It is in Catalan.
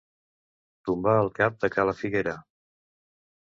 Tombar el cap de Cala Figuera.